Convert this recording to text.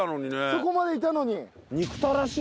そこまでいたのに！